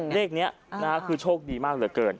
เลขนี้คือโชคดีมากเหลือเกิน